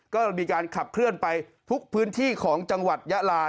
ก็มีการขับเคลื่อนไปทุกพื้นที่ของจังหวัดยะลา